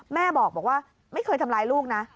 แม่บอกว่าไม่เคยทำร้ายลูกนะ